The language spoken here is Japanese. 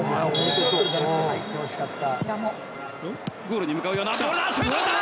ゴールに向かうようなボールだ。